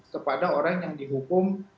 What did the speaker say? kepada orang yang dihukum